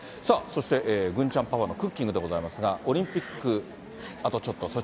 さあ、そして、郡ちゃんパパのクッキングでございますが、オリンピック、あとちょっと。